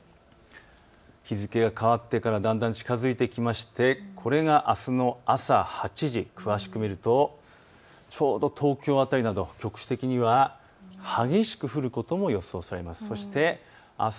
日付が変わってからだんだん近づいてきましてこれがあすの朝８時、詳しく見るとちょうど東京辺りなど局地的に激しく降ることも予想されます。